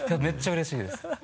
めっちゃうれしいです。